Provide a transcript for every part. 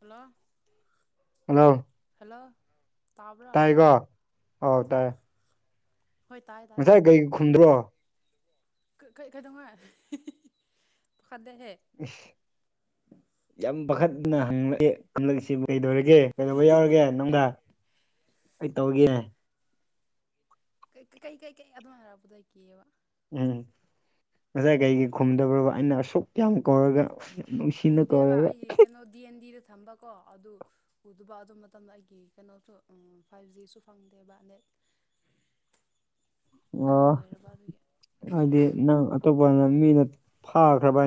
Hello hello hello ꯇꯥꯕ꯭ꯔ ꯑꯩꯔꯣ ꯇꯥꯏ ꯍꯣꯏ ꯇꯥꯏ ꯇꯥꯏ ꯉꯁꯥꯏ ꯀꯩ ꯈꯨꯝꯗ꯭ꯔꯣ ꯀꯩꯀꯩꯗꯧꯉ ꯄꯈꯠꯂꯦꯍꯦ ꯫ ꯏꯁ ꯌꯥꯝ ꯄꯥꯈꯠꯅ ꯍꯪꯂꯛꯑ ꯈꯂꯛꯁꯤꯕꯨ ꯀꯩꯗꯧꯔꯒꯦ ꯀꯩꯗꯧꯕ ꯌꯥꯎꯔꯒꯦ ꯅꯥꯪꯒꯣꯟꯗ ꯑꯩ ꯇꯧꯒꯦꯅꯦ ꯀꯩ ꯀꯩꯀꯩ ꯑꯗꯨꯃꯥꯏ ꯍꯥꯏꯔꯄꯗ ꯑꯩ ꯀꯦꯑꯕ ꯎꯝ ꯉꯁꯥꯏ ꯀꯩꯒꯤ ꯈꯨꯝꯗꯕ꯭ꯔꯕ ꯑꯩꯅ ꯑꯁꯨꯛ ꯌꯥꯝ ꯀꯧꯔꯒ ꯑꯁ ꯅꯨꯡꯁꯤꯅ ꯎꯗꯦꯕ ꯀꯧꯔꯒ ꯑꯩꯒꯤ ꯀꯩꯅꯣ ꯗꯤ ꯑꯦꯟ ꯗꯤꯗ ꯊꯝꯕꯀꯣ ꯑꯗꯨ ꯎꯗꯨꯕ ꯑꯗꯨ ꯃꯇꯝꯗ ꯑꯩꯒꯤ ꯀꯩꯅꯣꯁꯨ ꯐꯥꯏꯚ ꯖꯤꯁꯨ ꯐꯪꯗꯦꯕ ꯅꯦꯠ ꯀꯩꯅꯣ ꯑꯣ ꯂꯣꯏꯔꯕ ꯑꯗꯨꯒꯤ ꯑꯩꯗꯤ ꯅꯪ ꯑꯇꯣꯞꯄꯅ ꯃꯤꯅ ꯐꯥꯈ꯭ꯔꯕ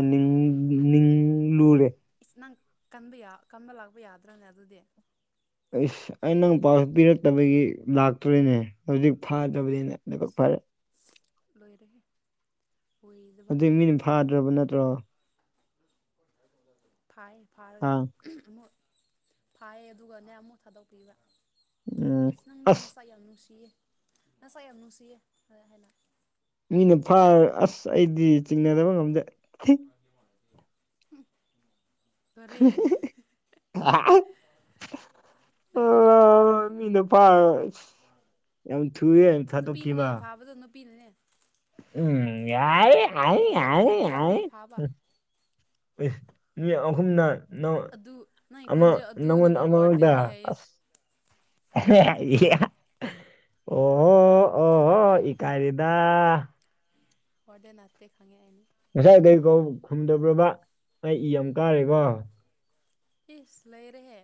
ꯅꯤꯡꯂꯨꯔꯦ ꯏꯁ ꯅꯪ ꯀꯟꯕ ꯀꯟꯕ ꯂꯥꯛꯄ ꯌꯥꯗ꯭ꯔꯅꯦ ꯑꯗꯨꯗꯤ ꯏꯁ ꯑꯩ ꯅꯪ ꯄꯥꯎꯁꯨ ꯄꯤꯔꯛꯇꯕꯒꯤ ꯂꯥꯛꯇꯔꯥꯅꯦ ꯍꯧꯖꯤꯛ ꯐꯥꯗꯕꯅꯤꯅꯦ ꯫ ꯏꯁ ꯂꯣꯏꯔꯦꯍꯦ ꯑꯣꯏꯗꯕ ꯑꯗꯨꯗꯤ ꯃꯤꯅ ꯐꯥꯗ꯭ꯔꯕ ꯅꯠꯇ꯭ꯔꯣ ꯐꯥꯏ ꯐꯥꯔꯒ ꯑꯥ ꯑꯃꯨꯛ ꯐꯥꯏꯌꯦ ꯑꯗꯨꯒꯅꯦ ꯑꯃꯨꯛ ꯊꯥꯗꯣꯛꯄꯤꯕ ꯎꯝ ꯏꯁ ꯅꯪꯗꯤ ꯑꯁ ꯅꯁꯛ ꯌꯥꯝ ꯅꯨꯡꯁꯤꯌꯦ ꯅꯥꯁꯛ ꯌꯥꯝ ꯅꯨꯡꯁꯤꯌꯦ ꯍꯥꯏꯅ ꯃꯤꯅ ꯐꯥ ꯑꯁ ꯑꯩꯗꯤ ꯆꯤꯡꯅꯗꯕ ꯉꯝꯗꯦ [unintelligible] [unintelligible] ꯂꯩꯔꯦꯍꯦ ꯑꯣ ꯃꯤꯅꯥ ꯐꯔꯒ ꯌꯥꯝ ꯊꯨꯏ ꯅꯨꯄꯤꯅꯅꯦ ꯊꯥꯗꯣꯛꯀꯤꯕꯥ ꯐꯥꯕꯗꯣ ꯅꯨꯄꯤꯅꯅꯦ ꯎꯝ ꯌꯥꯏ ꯅꯨꯄꯤ ꯅꯨꯄꯤ ꯑꯍꯨꯝꯅ ꯐꯥꯕ [unintelligible] ꯃꯤ ꯑꯍꯨꯝꯅ ꯅꯪꯉꯣꯟ ꯑꯗꯨ ꯅꯪ ꯑꯃ ꯈꯣꯟꯖꯦꯜ ꯑꯗꯨꯅꯕꯨ ꯅꯪꯉꯑꯣꯟꯗ ꯋꯥꯔꯗꯦꯟꯅꯤ ꯑꯃꯈꯛꯇꯥ ꯍꯥꯏꯌꯦ ꯑꯁ ꯑꯣꯍꯣ [unintelligible] ꯀꯥꯏꯔꯦꯗꯥ ꯑꯣꯔꯗꯦ ꯅꯅꯥꯇ ꯈꯪꯉꯦ ꯑꯩꯅꯤ ꯉꯁꯥꯏ ꯀꯩ ꯀꯧ ꯈꯨꯝꯗꯕ꯭ꯔꯕ ꯑꯩ ꯏ ꯌꯥꯝ ꯀꯥꯔꯦꯀꯣ ꯏꯁ ꯂꯩꯔꯦꯍꯦ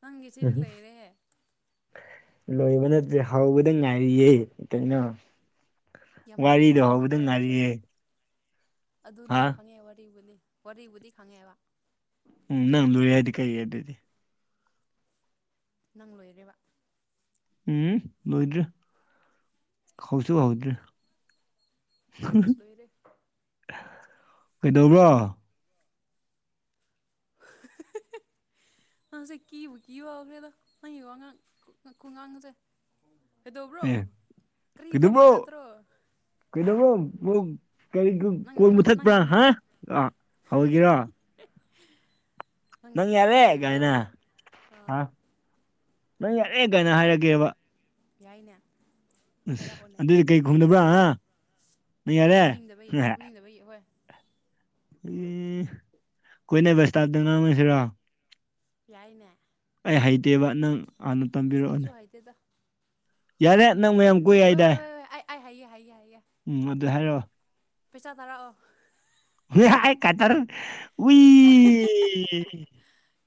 ꯅꯪꯒꯤ ꯁꯤꯗꯤ ꯂꯩꯔꯦꯍꯦ ꯂꯣꯏꯕ ꯅꯠꯇꯦ ꯍꯧꯕꯗ ꯉꯥꯏꯔꯤꯌꯦ ꯀꯔꯤꯅꯣ ꯌꯥꯝ ꯋꯥꯔꯤꯗꯣ ꯀꯃ ꯍꯧꯕꯗ ꯀꯔꯤ ꯍꯥꯏꯁꯤꯔꯥ ꯉꯥꯏꯔꯤꯌꯦ ꯍꯥ ꯑꯗꯨꯅꯦ ꯈꯪꯉꯦ ꯋꯥꯔꯤꯕꯨꯅꯤ ꯋꯥꯔꯤꯕꯨꯗꯤ ꯈꯪꯉꯦꯕ ꯎꯝ ꯅꯪ ꯂꯣꯏꯔ ꯌꯥꯏꯗꯤ ꯀꯩꯒꯤ ꯑꯗꯨꯗꯤ ꯅꯪ ꯂꯣꯏꯔꯦꯕ ꯎꯝ ꯂꯣꯏꯗꯔ꯭ꯤ ꯍꯥꯎꯁꯨ ꯍꯧꯗꯔ꯭ꯦ ꯏꯁ ꯂꯣꯏꯔꯦ ꯀꯩꯗꯧꯕ꯭ꯔꯣ [unintelligible] ꯑꯁꯦ ꯀꯕꯨ ꯀ ꯋꯥꯈ꯭ꯔꯦ ꯑ ꯋꯥ ꯉꯥꯡ ꯈꯨꯉꯥꯡꯁꯦ ꯀꯩꯗꯧꯕ꯭ꯔꯣ ꯑꯦ ꯀꯔꯤ ꯐꯣ ꯄꯈꯠꯇ꯭ꯔꯣ ꯀꯩꯗꯧꯕꯣ ꯀꯔꯤ ꯅꯪ ꯀꯣꯟ ꯅꯪ ꯃꯨꯊꯠꯄ꯭ꯔꯥ ꯅꯪꯒꯤ ꯍꯥ ꯅꯨꯄꯤ ꯑ ꯍꯧꯒꯦꯔꯣ ꯅꯪꯒꯤ ꯅꯨꯄꯤ ꯌꯥꯔꯦ ꯑꯣꯏꯒꯗꯕꯒ ꯀꯥꯏꯅ ꯍꯥ ꯅꯪ ꯌꯥꯔꯦ ꯀꯥꯏꯅ ꯍꯥꯏꯔꯒꯦꯕ ꯌꯥꯏꯅꯦ ꯍꯥꯏꯔꯥꯛꯑꯣꯅꯦ ꯑꯗꯨꯗꯤ ꯀꯩ ꯈꯨꯝꯗꯕ꯭ꯔꯥ ꯍꯥ ꯀꯥꯒꯦꯅꯦ ꯅꯪ ꯌꯥꯔꯦ ꯀꯨꯝꯅꯤꯡꯗꯕꯩ ꯀꯨꯝꯅꯤꯡꯗꯕꯩ ꯍꯣꯏ ꯀꯣꯏꯅꯕ ꯁꯇꯥꯞꯇ ꯉꯥꯡꯅꯁꯤꯔꯣ ꯌꯥꯏꯅꯦ ꯑꯩ ꯍꯩꯇꯦꯕ ꯅꯪ ꯍꯥꯟꯅ ꯇꯝꯕꯤꯔꯛꯑꯣꯅꯦ ꯍꯩꯗꯦꯗ ꯌꯥꯔꯦ ꯅꯪ ꯃꯌꯥꯝ ꯀꯣꯏ ꯍꯥꯏꯗꯥꯏ ꯑꯦ ꯍꯥꯏꯌꯦ ꯍꯥꯏꯌꯦ ꯍꯥꯏꯌꯦ ꯎꯝ ꯑꯗꯨ ꯍꯥꯏꯔꯛꯑꯣ ꯄꯩꯁꯥ ꯇꯥꯔꯛꯑꯣ ꯍ ꯍꯥꯏ ꯀꯥꯗ꯭ꯔ ꯑꯨꯢ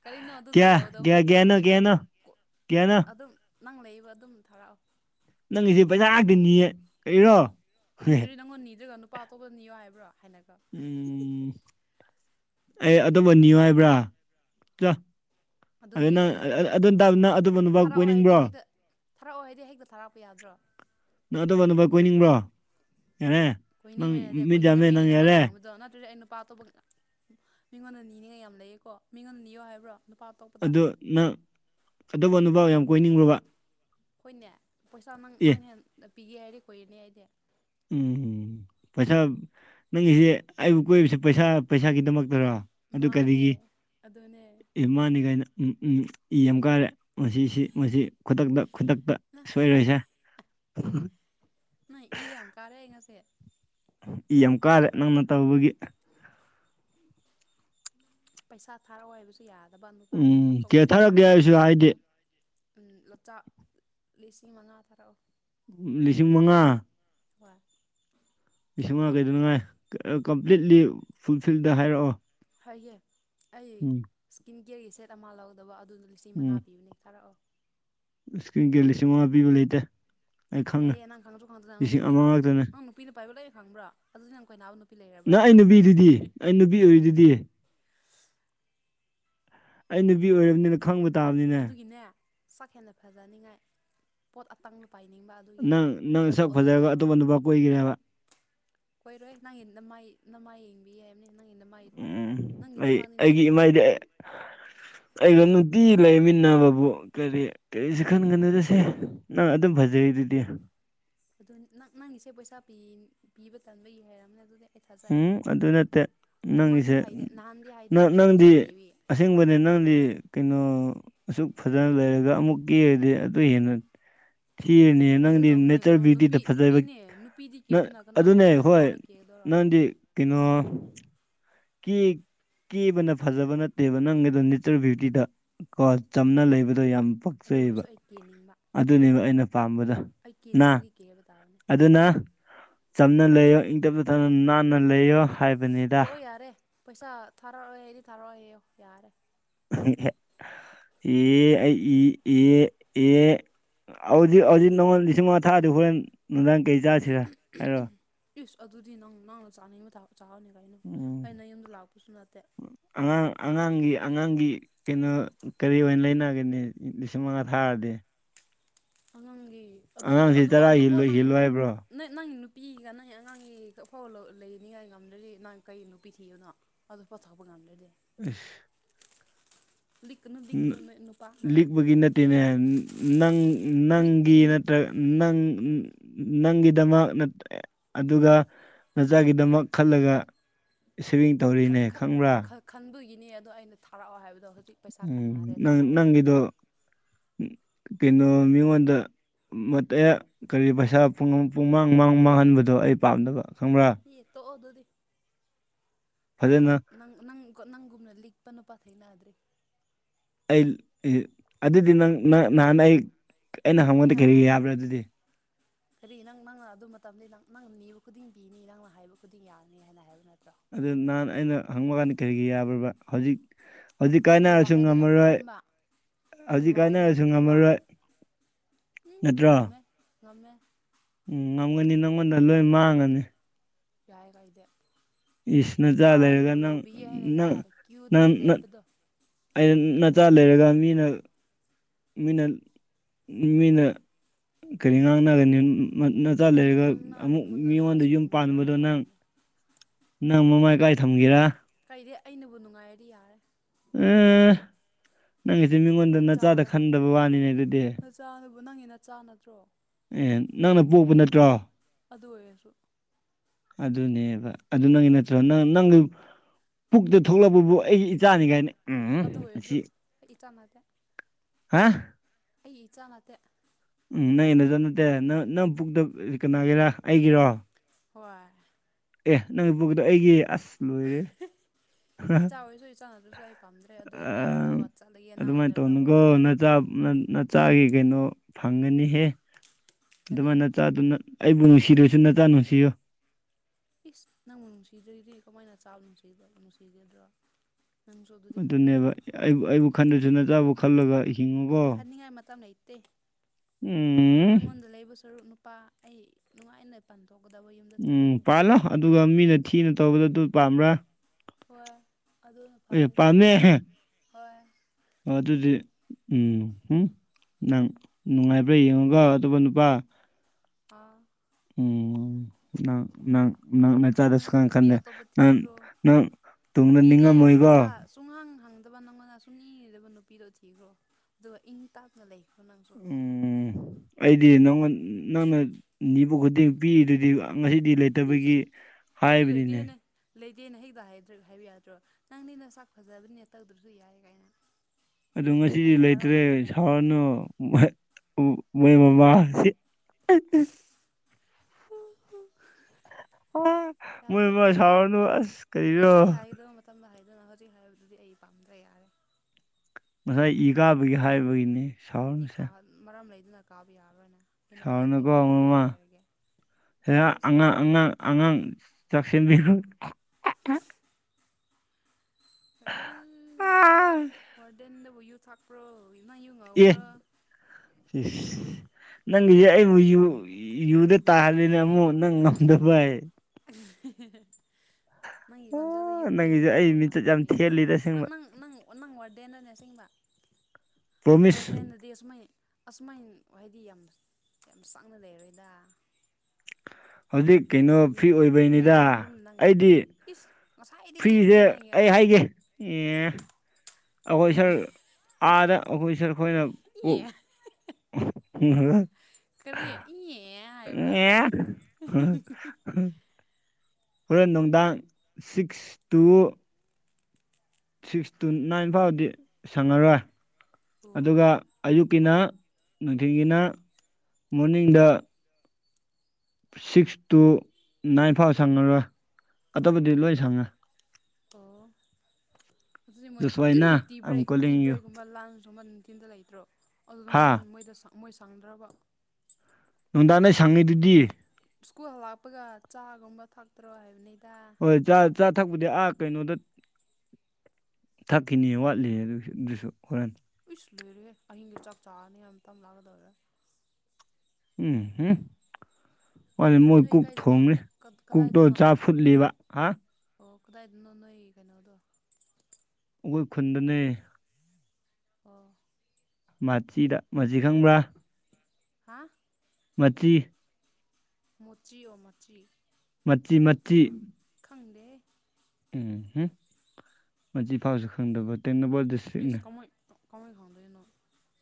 ꯀꯔꯤꯅꯣ ꯑꯗꯨꯗ ꯍꯧꯗꯕ ꯅꯠꯇ꯭ꯔꯣ ꯑꯗꯨꯗꯤ ꯑꯩꯈꯣꯏ ꯀꯌꯥꯅꯣ ꯀ ꯀꯤꯌꯥꯅ ꯑꯗꯨꯝ ꯅꯪ ꯂꯩꯕ ꯑꯗꯨꯝ ꯊꯥꯔꯛꯑꯣ ꯅꯪꯒꯤꯁꯦ ꯄꯩꯁꯥ ꯉꯥꯛꯇ ꯅꯤꯌꯦ ꯀꯔꯤꯔꯣ ꯍ ꯅꯤꯗ꯭ꯔꯗꯤ ꯅꯪꯉꯣꯟ ꯅꯤꯗ꯭ꯔꯥꯒ ꯅꯨꯄꯥ ꯑꯇꯣꯞꯄꯗ ꯅꯤꯌꯣ ꯍꯥꯏꯕ꯭ꯔꯣ ꯍꯥꯏꯅꯀꯣ ꯎꯝ ꯑꯦ ꯑꯗꯨꯝꯕ ꯅꯤꯌꯣ ꯍꯥꯏꯕ꯭ꯔꯥ ꯆꯣ ꯑꯗ ꯑꯗꯨꯗꯤ ꯅꯪ ꯀꯩꯒꯤ ꯑꯗꯨꯃꯥꯏꯅ ꯑꯗꯨ ꯍꯥꯏꯕꯅꯣ ꯇꯥꯕ ꯅꯪ ꯑꯇꯣꯞꯄ ꯅꯨꯄꯥ ꯊꯥꯔꯛꯑꯣ ꯀꯣꯏꯅꯤꯡꯕ꯭ꯔꯣ ꯍꯥꯏꯗꯤ ꯍꯦꯛꯇ ꯊꯥꯔꯛꯑꯣ ꯍꯥꯏꯗꯤ ꯍꯦꯛꯇ ꯊꯥꯔꯛꯄ ꯌꯥꯗ꯭ꯔꯣ ꯅꯪ ꯑꯗꯨꯝꯕ ꯅꯨꯄꯥ ꯀꯣꯏꯅꯤꯡꯕ꯭ꯔꯣ ꯌꯥꯔꯦ ꯅꯪ ꯀꯣꯏꯅꯤꯡꯕꯩ ꯅꯠꯇꯦ ꯃꯤꯠ ꯌꯥꯝꯃꯦ ꯀꯣꯏꯅꯤꯡꯗꯕꯩ ꯅꯦ ꯅꯪ ꯌꯥꯔꯦ ꯅꯪꯉꯣꯟꯗ ꯍꯥꯡꯕꯗ ꯅꯠꯇ꯭ꯔꯗꯤ ꯑꯩ ꯅꯨꯄꯥ ꯑꯇꯣꯞꯄ ꯃꯤꯉꯣꯟꯗ ꯅꯤꯅꯤꯉꯥꯏ ꯌꯥꯝ ꯂꯩꯌꯦꯀꯣ ꯃꯤꯉꯣꯟꯗ ꯅꯤꯌꯣ ꯍꯥꯏꯕ꯭ꯔꯣ ꯅꯨꯄꯥꯇꯣꯞ ꯑꯗꯨ ꯅꯪ ꯑꯇꯣꯞꯄ ꯅꯨꯄꯥ ꯌꯥꯝ ꯀꯣꯏꯅꯤꯡꯕ꯭ꯔꯣꯕ ꯍꯣꯏꯅꯦ ꯄꯩꯁꯥ ꯅꯪ ꯑꯦ ꯅꯪ ꯍꯦꯟꯅ ꯄꯤꯒꯦ ꯍꯥꯏꯔꯦ ꯀꯣꯏꯔꯅꯤ ꯑꯩꯗꯤ ꯎꯝ ꯄꯩꯁꯥ ꯅꯪꯒꯤꯁꯦ ꯑꯩꯕꯨ ꯀꯣꯏꯕꯁꯤ ꯄꯩꯁꯥ ꯄꯩꯁꯥꯒꯤꯗꯃꯛꯇꯔꯣ ꯑꯗꯨ ꯃꯥꯅꯦ ꯀꯔꯤꯒꯤ ꯑꯗꯨꯅꯦ ꯑꯦ ꯃꯥꯥꯟꯅꯦ ꯒꯥꯏꯅ ꯎꯝ ꯎꯝ ꯏ ꯌꯥꯝ ꯀꯥꯔꯦ ꯃꯁꯤꯁꯤ ꯃꯁꯤ ꯈꯨꯗꯛꯇ ꯈꯨꯗꯛꯇ ꯁꯣꯏꯔꯣꯏꯁꯦ ꯅꯪ ꯏ ꯒ ꯌꯥꯝ ꯀꯥꯔꯦ ꯉꯁꯤ ꯏ ꯌꯥꯝ ꯀꯥꯔꯦ ꯅꯪꯅ ꯇꯧꯕꯒꯤ ꯄꯩꯁꯥ ꯊꯥꯔꯛꯑꯣ ꯍꯥꯏꯕꯁꯨ ꯌꯥꯗꯕ ꯅꯨꯄꯥ ꯎꯝ ꯑꯇꯣꯞꯄ ꯀꯌꯥ ꯊꯥꯔꯛꯀꯦ ꯀꯣꯏꯅꯥꯒꯤ ꯍꯥꯏꯁꯨ ꯍꯥꯏꯕꯁꯨ ꯍꯥꯏꯗꯦ ꯌꯥꯗꯕ ꯂꯆꯥꯛ ꯂꯤꯁꯤꯡ ꯃꯉꯥ ꯊꯥꯔꯛꯑꯣ ꯂꯤꯁꯤꯡ ꯃꯉꯥ ꯍꯣꯏ ꯂꯤꯁꯤꯡ ꯃꯉꯥ ꯀꯩ ꯗꯧꯅꯉꯥꯏ ꯀꯝꯄ꯭ꯂꯤꯠꯂꯤ ꯐꯨꯜꯐꯤꯜꯗ ꯍꯥꯏꯔꯛꯑꯣ ꯍꯥꯏꯒꯦ ꯑꯩ ꯎꯝ ꯏꯁꯀꯤꯟ ꯀꯦꯌꯔꯒꯤ ꯁꯦꯠ ꯑꯃ ꯂꯧꯗꯧꯕ ꯑꯗꯨ ꯂꯤꯁꯤꯡ ꯃꯉꯥ ꯄꯤꯕꯅꯦ ꯊꯥꯔꯛꯑꯣ ꯏꯁꯀꯤꯟ ꯀꯤꯌꯔ ꯂꯤꯁꯤꯡ ꯃꯉꯥ ꯄꯤꯕ ꯂꯩꯇꯦ ꯑꯩ ꯈꯪꯉꯦ ꯂꯩꯌꯦ ꯅꯪ ꯈꯪꯁꯨ ꯈꯪꯗꯅ ꯅꯪ ꯂꯤꯁꯤꯡ ꯑꯃ ꯅꯨꯄꯤꯔꯣ ꯉꯥꯛꯇꯅꯦ ꯅꯪ ꯅꯨꯄꯤꯅ ꯄꯥꯏꯕ ꯂꯣꯢꯅ ꯈꯪꯕ꯭ꯔꯣ ꯑꯗꯨꯗꯤ ꯅꯪ ꯀꯣꯏꯅꯕ ꯅꯪ ꯑꯩ ꯅꯨꯄꯤꯗꯨꯗꯤ ꯑꯩ ꯅꯨꯄꯤ ꯑꯣꯏꯔꯤꯗꯨꯗꯤ ꯑꯩ ꯅꯨꯄꯤ ꯑꯣꯏꯔꯕꯅꯤꯅ ꯈꯪꯕ ꯇꯥꯕꯅꯤ ꯑꯗꯨꯒꯤꯅꯦ ꯁꯛ ꯍꯦꯟꯅ ꯐꯖꯅꯤꯡꯉꯥꯏ ꯄꯣꯠ ꯑꯇꯪꯕ ꯄꯥꯏꯅꯤꯡꯕ ꯑꯗꯨ ꯑꯗꯨꯒꯤ ꯅꯪ ꯅꯪ ꯁꯛ ꯑꯣꯗꯔ ꯐꯖꯔꯒ ꯑꯇꯣꯞ ꯇꯧꯔꯕ ꯅꯨꯄꯥ ꯀꯣꯏꯒꯤꯅꯤ ꯍꯥꯢꯕ ꯀꯣꯏꯔꯣꯏ ꯅꯪꯒꯤ ꯅꯃꯥꯏ ꯅꯃꯥꯏ ꯌꯦꯡꯕꯤꯒꯦ ꯍꯥꯏꯕꯅꯦ ꯅꯪꯒꯤ ꯅꯃꯥꯏ ꯎꯝ ꯑꯩ ꯅꯪꯒꯤꯗꯃꯛꯅꯤꯅꯦ ꯑꯩꯒꯤ ꯑꯩꯅꯗ ꯇꯧꯕꯗꯣ [inaudible] ꯑꯩꯒ ꯅꯨꯡꯇꯤ ꯂꯩꯃꯤꯟꯅꯕꯕꯨ ꯀꯔꯤ ꯀꯔꯤꯁꯨ ꯈꯟꯒꯅꯨꯗꯁꯦ ꯅ ꯑꯗꯨꯝ ꯖꯩ ꯂꯤꯗꯤ ꯑꯗꯨ ꯅꯪ ꯅꯪꯒꯤꯁꯦ ꯄꯩꯁꯥ ꯄꯤꯕ ꯇꯟꯕꯒꯤ ꯍꯥꯏꯔꯔꯕꯅꯦ ꯑꯗꯨꯅꯦ ꯑꯩ ꯊꯥꯖꯗꯦ ꯎꯝ ꯑꯗꯨ ꯅꯠꯇꯦ ꯃꯃꯥꯡꯗꯤ ꯅꯪꯒꯤꯁꯦ ꯍꯥꯏꯗꯦ ꯅꯍꯥꯟꯗꯤ ꯍꯥꯏꯗꯦ ꯍꯧꯖꯤꯛ ꯄꯩꯁꯥ ꯅꯅꯤꯔꯤꯌꯦ ꯑꯁꯦꯡꯕꯅꯤ ꯅꯪꯗꯤ ꯀꯩꯅꯣ ꯑꯁꯨꯛ ꯐꯖꯅ ꯂꯩꯔꯒ ꯑꯃꯨꯛ ꯀꯦꯔꯗꯤ ꯑꯗꯨ ꯍꯦꯟꯅ ꯊꯤꯔꯅꯦ ꯅꯪꯗꯤ ꯀꯦꯒꯗꯧꯕꯅꯦ ꯅꯦꯆꯔ ꯀꯩꯅꯣ ꯕ꯭ꯌꯨꯇꯤꯗ ꯅꯨꯄꯤ ꯐꯖꯕ ꯅꯨꯄꯤꯅꯦ ꯅꯨꯄꯤꯗꯤ ꯀꯦꯗꯅ ꯀꯅꯥ ꯑꯗꯨꯅꯦ ꯅꯨꯄꯥꯅ ꯍꯣꯏ ꯅꯨꯄꯥꯅ ꯀꯦꯒꯗꯧꯔꯣ ꯅꯪ ꯗꯤ ꯀꯩꯅꯣ ꯀꯦꯕꯅ ꯐꯖꯕ ꯅꯠꯇꯦꯕ ꯅꯪꯒꯤꯗꯣ ꯅꯦꯆꯔꯦꯜ ꯕ꯭ꯌꯨꯇꯤꯗ ꯀꯣ ꯆꯝꯅ ꯂꯩꯕꯗꯣ ꯌꯥꯝ ꯑꯗꯨ ꯄꯛꯆꯩꯌꯦꯕ ꯑꯣꯏꯔꯁꯨ ꯑꯩ ꯀꯦꯅꯤꯡꯕ ꯑꯗꯨꯅꯦꯕ ꯑꯩꯅ ꯄꯥꯝꯕꯗ ꯀꯦꯕꯇꯥꯕꯅꯤ ꯑꯗꯨꯅ ꯆꯝꯅ ꯂꯩꯌꯣ ꯏꯪ ꯇꯞ ꯇꯞꯅ ꯅꯥꯟꯅ ꯂꯩꯌꯣ ꯍꯥꯏꯕꯅꯤꯗ ꯇꯣꯛꯑꯣ ꯌꯥꯔꯦ ꯄꯩꯁꯥ ꯊꯥꯔꯛꯑꯔꯣꯢ ꯍꯥꯢꯔꯗꯤ ꯊꯥꯔꯛꯑꯣ ꯍꯥꯏꯌꯣ ꯌꯥꯔꯦ ꯑꯦ ꯑꯩ ꯏ ꯑꯦ ꯑꯦ ꯍꯧꯖꯤꯛ ꯍꯧꯖꯤꯛ ꯅꯪꯉꯣꯟꯗ ꯂꯤꯁꯤꯡ ꯃꯉꯥ ꯊꯥꯔꯗꯤ ꯍꯣꯔꯦꯟ ꯅꯨꯡꯗꯥꯡ ꯀꯩ ꯆꯥꯁꯤꯔꯥ ꯍꯥꯏꯔꯣ ꯏꯁ ꯑꯗꯨꯗꯤ ꯅꯪ ꯅꯪꯅ ꯆꯥꯅꯤꯡꯕ ꯆꯥꯎꯅꯦ ꯀꯩꯅꯣ ꯎꯝ ꯑꯩ ꯅꯌꯨꯝꯗ ꯂꯥꯛꯄꯁꯨ ꯅꯠꯇꯦ ꯑꯉꯥꯡ ꯑꯉꯥꯡꯒꯤ ꯑꯉꯥꯡꯒꯤ ꯀꯩꯅꯣ ꯀꯔꯤ ꯑꯣꯏꯅ ꯂꯩꯅꯒꯅꯤ ꯂꯤꯁꯤꯡ ꯃꯉꯥ ꯊꯥꯔꯗꯤ ꯑꯉꯥꯡꯒꯤ ꯑꯗꯨ ꯑꯉꯥꯡꯁꯤ ꯑꯗꯨ ꯇꯔꯥ ꯑꯗꯨꯐꯥꯎ ꯍꯤꯜꯂꯣ ꯅꯪ ꯍꯤꯜꯂꯣ ꯍꯥꯏꯕ꯭ꯔꯣ ꯑꯁ ꯅꯪ ꯅꯪꯒꯤ ꯅꯨꯄꯤꯒꯤꯒ ꯅꯪ ꯑꯉꯥꯡꯒꯤꯒ ꯐꯥꯎꯕ ꯂꯩꯅꯤꯉꯥꯏ ꯉꯝꯗ꯭ꯔꯗꯤ ꯅꯪ ꯀꯩꯒꯤ ꯅꯨꯄꯤ ꯊꯤꯕꯅꯣ ꯑꯗꯨ ꯄꯣꯊꯛꯄ ꯉꯝꯂꯔꯦ ꯑ ꯂꯤꯛꯅ ꯂꯤꯛꯅ ꯏ ꯅꯨꯄꯥ ꯅꯪꯅ ꯅꯦ ꯅꯪ ꯅꯪꯒꯤ ꯂꯤꯛꯄꯒꯤꯅꯤ ꯅꯠꯇ꯭ꯔꯒ ꯅꯪ ꯅꯪꯒꯤꯗꯃꯛ ꯑꯗꯨꯒ ꯅꯆꯥꯒꯤꯗꯃꯛ ꯈꯜꯂꯒ ꯁꯦꯚꯤꯡ ꯇꯧꯔꯤꯅꯦ ꯈꯪꯕ꯭ꯔꯥ ꯈꯟꯕꯒꯤꯅꯤ ꯑꯗꯣ ꯑꯩꯅ ꯊꯥꯔꯛꯑꯣ ꯍꯥꯏꯕꯗꯣ ꯍꯧꯖꯤꯛ ꯄꯩꯁꯥ ꯎꯝ ꯀꯅꯥꯔꯦ ꯅꯪ ꯊꯥꯔꯛꯑꯣ ꯍꯥꯏꯕꯗꯣ ꯅꯪꯒꯤꯗꯣ ꯀꯩꯅꯣ ꯃꯤꯉꯣꯟꯗ ꯃꯇꯦ ꯀꯔꯤ ꯄꯩꯁꯥ ꯄꯨꯡꯃꯥꯡ ꯃꯥꯡ ꯃꯥꯡꯍꯟꯕꯗꯣ ꯑꯩ ꯄꯥꯝꯗꯕ ꯈꯪꯕ꯭ꯔꯥ ꯏ ꯇꯣꯛꯑꯣ ꯑꯗꯨꯗꯤ ꯀꯔꯤ ꯐꯖꯅ ꯅꯪ ꯅꯪ ꯀꯣ ꯅꯪꯒꯨꯝꯅ ꯂꯤꯛꯄ ꯅꯨ ꯄꯥꯊꯩ ꯅꯥꯗ꯭ꯔꯤ ꯑꯩ ꯑꯗꯨꯗꯤ ꯅꯪ ꯅ ꯅꯍꯥꯟ ꯑꯩ ꯑꯩꯅ ꯍꯪꯉꯣꯟꯗ ꯑꯩꯈꯣꯏꯅ ꯀꯔꯤ ꯌꯥꯕ꯭ꯔꯥ ꯑꯗꯨꯗꯤ ꯀꯔꯤ ꯅꯪ ꯅꯪꯅ ꯑꯗꯨ ꯃꯇꯝꯗꯤ ꯅꯪ ꯅꯪꯅ ꯅꯤꯕ ꯈꯨꯗꯤꯡ ꯄꯤꯅꯤ ꯅꯪꯅ ꯍꯥꯏꯕ ꯈꯨꯗꯤꯡ ꯌꯥꯅꯤ ꯍꯥꯏꯅ ꯍꯥꯏꯕ ꯅꯠꯇ꯭ꯔꯣ ꯑꯗꯨ ꯅꯍꯥꯟ ꯑꯩꯅ ꯍꯪꯕ ꯀꯥꯟꯗ ꯀꯔꯤꯒꯤ ꯌꯥꯕꯕ ꯍꯧꯖꯤꯛ ꯍꯧꯖꯤꯛ ꯅꯪꯒꯤ ꯀꯥꯏꯅꯔꯁꯨ ꯋꯥꯍꯩꯗꯣ ꯌꯥꯝ ꯉꯝꯃꯔꯣꯏ ꯊꯨꯝꯕ ꯅꯪꯒꯤ ꯍꯧꯖꯤꯛ ꯋꯥꯍꯩꯗꯣ ꯌꯥꯝ ꯀꯥꯏꯅꯔꯁꯨ ꯊꯨꯝꯕ ꯉꯝꯃꯔꯣꯏ ꯅꯠꯇ꯭ꯔꯥ ꯉꯃꯦ ꯎꯝ ꯉꯝꯒꯅꯤ ꯅꯪꯉꯣꯟꯗ ꯂꯣꯏ ꯃꯥꯡꯉꯅꯤ ꯌꯥꯏ ꯀꯩꯗ ꯏꯁ ꯅꯆꯥ ꯄꯥꯅ ꯂꯩꯔꯒ ꯅꯪ ꯣꯂꯑꯣꯕꯤꯦꯅ ꯅꯪ ꯅꯦꯔ ꯀꯨꯗꯅꯤ ꯂꯦꯄꯗꯣ ꯑꯩꯅ ꯅꯆꯥ ꯂꯩꯔꯒ ꯃꯤꯅ ꯃꯤꯅ ꯃꯤꯅ ꯀꯔꯤ ꯉꯥꯡꯅꯒꯅꯤ ꯅꯆꯥ ꯉꯥꯡꯅ ꯂꯩꯔꯒ ꯑꯃꯨꯛ ꯉꯥꯡꯅꯅꯤꯡꯕ ꯃꯤꯉꯣꯟꯗ ꯉꯥꯡꯅꯔꯁꯨ ꯌꯨꯝ ꯄꯥꯟꯕꯗꯣ ꯉꯥꯡꯅꯍꯜꯂꯣ ꯅꯪ ꯀꯩꯅꯣ ꯅꯪ ꯃꯃꯥꯏꯀꯥꯏ ꯊꯝꯒꯦꯔꯥ ꯀꯩꯗ ꯑꯩꯅꯕꯨ ꯅꯨꯡꯉꯥꯏꯔꯗꯤ ꯌꯥꯔꯦ ꯎ ꯅꯪꯒꯤꯁꯦ ꯃꯤꯉꯣꯟꯗ ꯅꯆꯥꯗ ꯈꯟꯗꯕ ꯋꯥꯅꯤꯅꯦ ꯑꯗꯨꯗꯤ ꯆꯥꯗꯨꯕꯨ ꯅꯪꯒꯤꯅ ꯆꯥꯅꯗ꯭ꯔꯣ ꯑꯦ ꯅꯪꯅ ꯄꯣꯛꯄ ꯅꯠꯇ꯭ꯔꯣ ꯑꯗꯨ ꯑꯣꯏꯔꯁꯨ ꯑꯗꯨꯅꯦꯕ ꯑꯗꯨ ꯅꯪꯒꯤ ꯅꯠꯇ꯭ꯔꯣ ꯅꯪ ꯅꯪ ꯄꯨꯛꯇ ꯊꯣꯛꯂꯛꯄꯕꯨ ꯑꯩꯒꯤ ꯏꯆꯥꯅꯤ ꯀꯥꯏꯅ ꯑꯗꯨ ꯎꯝ ꯑꯣꯏꯔꯁꯨ ꯑꯁꯤ ꯑꯩ ꯏꯆꯥꯥꯟꯅꯗꯦ ꯍꯥ ꯑꯩꯒꯤ ꯏꯆꯥ ꯅꯠꯇꯦ ꯎꯝ ꯅꯪ ꯅꯆꯥ ꯅꯠꯇꯦ ꯅꯪ ꯅꯪ ꯄꯨꯛꯇ ꯀꯅꯥꯒꯤꯔꯥ ꯑꯩꯒꯤꯔꯣ ꯍꯣꯏ ꯑꯦ ꯅꯪꯒꯤ ꯄꯨꯛꯇ ꯑꯩꯒꯤ ꯑꯁ ꯂꯣꯏꯔꯦ ꯏꯆꯥ ꯑꯣꯏꯁꯨ ꯏꯆꯥ ꯅꯠꯇꯔꯁꯨ ꯑꯩ ꯄꯥꯝꯗ꯭ꯔꯦ ꯑꯗꯨꯒꯤꯅꯦ ꯍꯟꯗꯣꯛꯑꯒ ꯆꯠꯂꯒꯦ ꯅꯪ ꯑꯗꯨꯃꯥꯏꯅ ꯑꯣꯏꯅ ꯇꯧꯅꯨꯀꯣ ꯂꯧꯍꯧꯔꯣ ꯅꯆꯥ ꯅꯆꯥꯒꯤ ꯀꯩꯅꯣ ꯐꯪꯒꯅꯤꯍꯦ ꯀꯔꯤ ꯑꯗꯨꯃꯥꯏꯅ ꯅꯆꯥꯗꯨꯅ ꯑꯩꯕꯨ ꯅꯨꯡꯁꯤꯗ꯭ꯔꯁꯨ ꯅꯆꯥ ꯅꯨꯡꯁꯤꯌꯣ ꯄꯤꯁ ꯅꯪꯕꯨ ꯅꯨꯡꯁꯤꯗ꯭ꯔꯔꯤꯗꯤ ꯀꯃꯥꯏꯅ ꯆꯥꯕ ꯅꯨꯡꯁꯤꯕꯣ ꯅꯨꯡꯁꯤꯒꯗ꯭ꯔꯣ ꯅꯪꯁꯨ ꯑꯗꯨꯗꯤ ꯈꯜꯂꯣꯏ ꯑꯗꯨꯅꯦꯕ ꯑꯩꯕꯨ ꯑꯩꯕꯨ ꯈꯟꯗꯁꯨ ꯅꯆꯥꯕꯨ ꯈꯜꯂꯒ ꯍꯤꯡꯉꯨ ꯈꯅꯤꯡꯉꯥꯏ ꯃꯇꯝ ꯂꯩꯇꯦ ꯎꯝ ꯅꯪꯉꯣꯟꯗ ꯂꯩꯕ ꯁꯔꯨꯛ ꯅꯨ ꯄꯥ ꯑꯩ ꯅꯨꯡꯉꯥꯏꯅ ꯄꯟꯊꯣꯛꯒꯗꯕ ꯌ ꯎꯝ ꯄꯥꯜꯂꯣ ꯑꯗꯨꯒ ꯃꯤꯅ ꯊꯤꯅ ꯇꯧꯕꯗ ꯑꯗꯨ ꯄꯥꯝꯕ꯭ꯔꯥ ꯍꯣꯏ ꯑꯗꯨ ꯐꯩ ꯑꯦ ꯄꯥꯝꯃꯦ ꯄꯩꯁꯥ ꯍꯣꯏ ꯑꯗꯨꯗꯤ ꯎꯝ ꯎꯝ ꯅꯪ ꯅꯨꯡꯉꯥꯏꯕ꯭ꯔꯥ ꯌꯦꯡꯉꯒ ꯑꯇꯣꯞ ꯅꯨꯄꯥ ꯑꯥ ꯎꯝ ꯅꯪ ꯅꯪ ꯅꯪꯅ ꯆꯥꯔꯁꯨ ꯅꯪꯁꯨ ꯀꯅ ꯅꯨꯄꯤ ꯈꯟꯗꯦ ꯑꯇꯣꯞꯄ ꯅꯪ ꯊꯤꯈ꯭ꯔꯣ ꯅꯪ ꯇꯨꯡꯗ ꯅꯤꯡꯉꯝꯃꯣꯏꯀꯣ ꯁꯨꯡꯍꯥꯡ ꯍꯥꯡꯗꯕ ꯅꯪꯉꯣꯟꯗ ꯁꯨꯡꯅꯤ ꯅꯤꯗꯕ ꯅꯨꯄꯤꯗꯣ ꯊꯤꯈ꯭ꯔꯣ ꯑꯗꯨꯒ ꯏꯪ ꯇꯞꯅ ꯂꯩ ꯌꯣ ꯅꯪꯁꯨ ꯎꯝ ꯑꯩꯗꯤ ꯅꯉꯣꯟ ꯅꯪꯅ ꯅꯤꯕ ꯈꯨꯗꯤꯡ ꯄꯤꯗꯨꯗꯤ ꯉꯁꯤꯗꯤ ꯏꯁ ꯂꯩꯇꯕꯒꯤ ꯑꯗꯨ ꯂꯩꯇꯦ ꯍꯥꯏꯕꯅꯤꯅꯦ ꯍꯥꯢꯅ ꯂꯩꯇꯦꯅ ꯍꯦꯛꯇ ꯍꯥꯢꯗ꯭ꯔ ꯍꯥꯏꯕ ꯌꯥꯗ꯭ꯔꯣ ꯅꯪꯗꯤ ꯅꯁꯛ ꯐꯖꯕꯅꯤ ꯇꯧꯗ꯭ꯔꯁꯨ ꯌꯥꯏ ꯀꯥꯏꯅ ꯑꯗꯨ ꯉꯁꯤꯗꯤ ꯑꯩꯕꯨ ꯂꯩꯇ꯭ꯔꯦ ꯍꯔꯥꯎꯍꯜꯂꯒ ꯁꯔꯅꯣ ꯃꯣꯏ ꯃꯃꯥꯁꯤ ꯃꯣꯏ ꯌꯥꯗ꯭ꯔꯦ ꯃꯃꯥ ꯊꯦꯡꯉꯦ ꯁꯥꯎꯔꯅꯨ ꯑꯁ ꯀꯔꯤꯔꯣ ꯉꯁꯥꯢ ꯍꯥꯢꯒꯗꯧ ꯃꯇ ꯃꯇꯝꯗ ꯍꯥꯏꯗꯅ ꯍꯧꯖꯤꯛ ꯍꯥꯏꯕꯗꯨꯗꯤ ꯑꯩ ꯄꯥꯝꯗ꯭ꯔꯦ ꯌꯥꯔꯦ ꯉꯁꯥꯏ ꯏ ꯀꯥꯕꯒꯤ ꯍꯥꯏꯕꯒꯤꯅꯤ ꯏ ꯁꯥꯎꯔꯅꯨꯁꯦ ꯀꯥ ꯃꯔꯝ ꯂꯩꯇꯅ ꯀꯥꯕ ꯌꯥꯕ꯭ꯔꯅꯦ ꯑꯩ ꯅꯪꯉꯣꯟꯗ ꯀꯩ ꯁꯥꯎꯔꯅꯨꯀꯣ ꯐꯠꯇꯕ ꯋꯥ ꯃꯃꯥ ꯍꯥꯏꯔꯒꯦ ꯁꯥꯎꯔꯦ ꯁꯥꯎꯔꯦ ꯑꯉꯥꯡ ꯑꯉꯥꯡ ꯑꯉꯥꯡ ꯆꯥꯛꯁꯤꯟꯕꯤꯔꯣ ꯑ ꯋꯥꯔꯗꯦꯟꯗꯕꯨ ꯌꯨ ꯊꯥꯛꯄ꯭ꯔꯣꯅꯪ ꯌꯨ ꯉꯥꯎꯕ꯭ꯔꯣ ꯢꯁ ꯅꯪꯒꯤꯁꯦ ꯑꯩꯕꯨ ꯌꯨ ꯌꯨꯗ ꯇꯥꯍꯜꯂꯤꯅꯦ ꯑꯃꯨꯛ ꯅꯪ ꯉꯝꯗꯕꯩ [unintelligible] ꯅꯪꯒꯤ ꯈꯣꯟꯖꯦꯜꯗ ꯌꯨ ꯑꯣ ꯌꯨ ꯅꯪꯒꯤꯁꯦ ꯑꯩ ꯉꯧꯕꯒ ꯃꯤꯡꯆꯠ ꯃꯥꯟꯕ ꯌꯥꯝ ꯑꯗꯨꯏ ꯅꯤꯗ ꯊꯦꯠꯂꯤꯗ ꯅꯪ ꯑꯁꯦꯡꯕ ꯅꯪ ꯅꯪ ꯅꯪ ꯋꯥꯔꯗꯦꯟꯂꯅꯦ ꯑꯁꯦꯡꯕ ꯄ꯭ꯔꯣꯃꯤꯁ ꯋꯥꯔꯗꯦꯟ ꯅ ꯗ ꯑꯁꯨꯃꯥꯏꯅ ꯑꯁꯨꯃꯥꯏꯅ ꯍꯥꯏꯗꯤ ꯌꯥꯝ ꯌꯥꯝ ꯆꯪꯅ ꯂꯩꯔꯣꯏꯗ ꯍꯧꯖꯤꯛ ꯀꯩꯅꯣ ꯐ꯭ꯔꯤ ꯃꯤꯔꯦꯝ ꯑꯣꯏꯕꯩꯅꯤꯗ ꯃꯤꯔꯦꯝꯒꯨꯝꯅ ꯅꯪꯒꯤꯁꯦ ꯑꯩꯗꯤ ꯏꯁ ꯉꯁꯥꯏ ꯐ꯭ꯔꯤꯁꯦ ꯑꯩ ꯍꯥꯏꯒꯦ ꯑꯦ ꯑꯩꯈꯣꯏ ꯁꯥꯔ ꯏꯌꯦ ꯑꯥꯗ ꯑꯩꯈꯣꯏ ꯁꯥꯔ ꯈꯣꯏꯅ ꯏ ꯎꯝ ꯀꯔꯤ ꯏꯌꯦ ꯍꯥꯏꯕ꯭ꯔꯣ ꯍ ꯌꯦ ꯍꯣꯔꯦꯟ ꯅꯨꯡꯗꯥꯡ six two six two nine ꯐꯥꯎꯗꯤ ꯁꯪꯉꯔꯣꯏ ꯑꯣ ꯑꯗꯨꯒ ꯑꯌꯨꯛꯀꯤꯅ ꯅꯨꯡꯊꯤꯟꯒꯤꯅ ꯃꯣꯔꯅꯤꯡꯗ ꯁꯤꯛꯁ ꯇꯨ ꯅꯥꯏꯟ ꯐꯥꯎ ꯁꯪꯉꯔꯣꯏ ꯑꯇꯣꯞꯄꯗꯤ ꯂꯣꯏ ꯁꯪꯉꯦ ꯇꯣ ꯑꯗꯨꯗꯤ ꯃꯣꯏ ꯗꯁ ꯋꯥꯏ ꯅꯥ ꯑꯥꯏ ꯇꯤ ꯑꯦꯝ ꯕ꯭ꯔꯦꯛ ꯇꯤ ꯀꯣꯂꯤꯡ ꯌꯨ ꯕ꯭ꯔꯦꯛꯀꯨꯝꯕ ꯂꯥꯡꯉꯀꯨꯝꯕ ꯅꯨꯡꯊꯤꯟꯗ ꯂꯩꯇ꯭ꯔꯣ ꯑꯗꯨ ꯑꯗꯨꯝ ꯅꯪ ꯍꯥ ꯃꯣꯏꯗ ꯃꯣꯏ ꯁꯪꯗ꯭ꯔꯕ ꯅꯨꯡꯗꯥꯡꯅ ꯁꯪꯪꯉꯤꯗꯨꯗꯤ ꯁ꯭ꯀꯨꯜꯂꯥꯛꯄꯒ ꯆꯥꯒꯨꯝꯕ ꯊꯥꯛꯇꯔꯣ ꯍꯥꯏꯕꯅꯤꯗ ꯍꯣꯏ ꯆꯥ ꯆꯥ ꯊꯛꯄꯗꯤ ꯑꯥ ꯀꯩꯅꯣꯗ ꯊꯛꯈꯤꯅꯤ ꯋꯥꯠꯂꯤ ꯑꯗꯨ‌ ꯑꯗꯨꯁꯨ ꯍꯣꯔꯦꯟ ꯑꯨꯏꯁ ꯂꯣꯏꯔꯦꯍꯦ ꯑꯍꯤꯡꯗ ꯆꯥꯛ ꯆꯥꯅꯤꯡꯉꯥꯢ ꯃꯇꯝ ꯂꯥꯛꯀꯗꯧꯔꯦ ꯎꯝ ꯍꯨꯝ ꯋꯥꯠꯂꯥ ꯃꯣꯏ ꯅꯣꯏ ꯀꯨꯛ ꯀꯥꯏꯗꯅꯣ ꯊꯣꯡꯂꯤ ꯀꯨꯛꯇꯣ ꯀꯗꯥꯏꯗꯅꯣ ꯆꯥ ꯐꯨꯠꯂꯤꯕ ꯍꯥ ꯑꯣ ꯀꯗꯥꯢꯗꯅꯣ ꯅꯣꯢ ꯀꯩꯅꯣꯗꯣ ꯑꯩꯈꯣꯏ ꯈꯨꯟꯗꯅꯦ ꯑꯣꯥ ꯃꯊꯤꯗ ꯃꯖꯤ ꯈꯪꯕ꯭ꯔꯥ ꯍꯥ ꯃꯥꯊꯤ ꯃꯨꯆꯤꯔꫭ ꯃꯆꯤ ꯃꯥꯆꯤ ꯃꯥꯆꯤ ꯈꯪꯗꯦꯍꯦ ꯎꯝ‌ ꯍꯝ ꯃꯆꯤ ꯐꯥꯎꯁꯨ ꯈꯪꯗꯕ ꯇꯦꯡꯅꯕꯜ ꯏꯁ ꯀꯃꯥꯏ ꯀꯃꯥꯏ ꯈꯪꯗꯣꯏꯅꯣ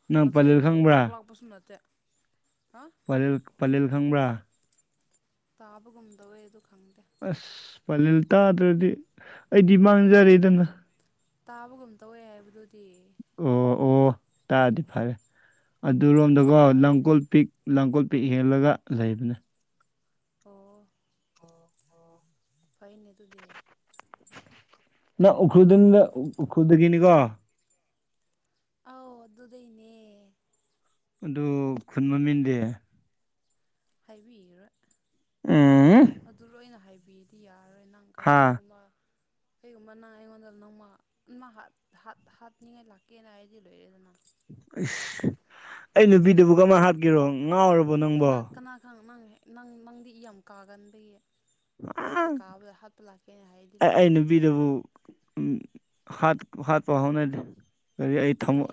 ꯅꯪ ꯑꯗꯨ ꯑꯩ ꯄꯂꯦꯜ ꯄꯣꯛ ꯈꯪꯕ꯭ꯔꯥ ꯄꯣꯛꯂꯥꯄꯁꯨꯝ ꯅꯠꯇꯦ ꯍꯥ ꯄꯂꯦꯜ ꯄꯂꯦꯜ ꯈꯪꯕ꯭ꯔꯥ ꯇꯥꯕꯒꯨꯝꯗꯧꯋꯦ ꯑꯗꯨ ꯈꯪꯗꯦ ꯑꯁ ꯄꯂꯦꯜ ꯇꯥꯗ꯭ꯔꯗꯤ ꯑꯩꯗꯤ ꯃꯥꯡꯖꯔꯦꯗꯅ ꯇꯥꯕꯒꯨꯝ ꯇꯧꯋꯦ ꯍꯥꯏꯕꯗꯨꯗꯤ ꯑꯣ ꯑꯣ ꯇꯥꯔꯗꯤ ꯐꯔꯦ ꯑꯗꯨꯔꯣꯝꯗꯒꯣ ꯐꯕꯅꯦ ꯂꯥꯡꯒꫭꯜ ꯄꯤꯛ ꯂꯥꯡꯒꫭꯜ ꯄꯤꯛ ꯍꯦꯜꯂꯒ ꯂꯩꯕꯅꯦ ꯑꯣ ꯐꯩꯅꯦ ꯑꯗꯨꯗꯤ ꯅꯪ ꯎꯔꯈꯨꯜꯗꯨꯗ ꯎꯔꯈꯨꯜꯗꯒꯤꯅꯤꯀꯣ ꯑꯧ ꯑꯗꯨꯗꯩꯅꯦ ꯑꯗꯨ ꯈꯨꯟ ꯃꯥꯃꯤꯟꯗꯤ ꯍꯥꯏꯕꯤꯔꫭꯏ ꯎꯝ ꯑꯗꯨ ꯂꯣꯏꯅ ꯍꯥꯏꯕꯤꯗꯤ ꯌꯥꯔꯔꯣꯏ ꯅꯪ [inaudible] ꯍꯥ ꯀꯩꯒꯨꯝꯕ ꯀꯩꯒꯨꯝꯕ ꯅꯪ ꯑꯩꯉꯣꯟꯗ ꯅꯣꯡꯃ ꯎꯃ ꯍꯥꯠ ꯍꯥꯠ ꯍꯥꯠꯅꯤꯡꯉꯥꯏ ꯂꯥꯛꯀꯦꯅ ꯑꯩꯗꯤ ꯂꯣꯏꯔꯦꯗꯅ ꯏꯁꯁ ꯑꯩ ꯅꯨꯄꯤꯗꯥꯕꯨ ꯀꯃꯥꯏ ꯍꯥꯠꯀꯦꯔꯣ ꯉꯥꯎꯔ ꯀꯅꯥ ꯀꯅꯥ ꯈꯪ ꯅꯪ ꯅꯪ ꯅꯪꯗꯤ ꯏ ꯌꯥꯝ ꯀꯥꯒꯟꯕꯩ ꯑꯩ ꯂꯣꯏꯔꯦ ꯅꯨꯕꯤꯗꯕꯨ ꯍꯥ ꯍꯥꯠꯄ ꯍꯧꯅꯗꯦ ꯀꯔꯤ ꯑꯩ ꯊꯥꯃꫭ ꯑꯗꯨꯅꯦ